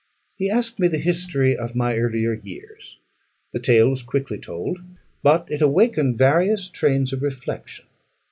He asked me the history of my earlier years. The tale was quickly told: but it awakened various trains of reflection.